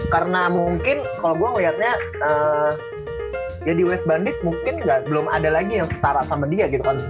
karena mungkin kalo gue ngeliatnya ya di west bandit mungkin belum ada lagi yang setara sama dia gitu kan